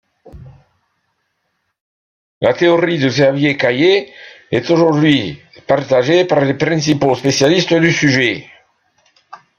La théorie de Xavier Caillet est aujourd’hui partagée par les principaux spécialistes du sujet.